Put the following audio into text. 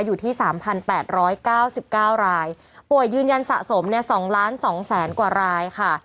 อยู่ที่๓๘๙๙รายป่วยยืนยันสะสมเนี่ย๒๒๐๐๐กว่ารายค่ะ